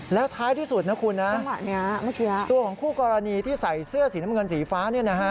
แล้วท้ายที่สุดนะคุณตัวของคู่กรณีที่ใส่เสื้อสีน้ำเงินสีฟ้า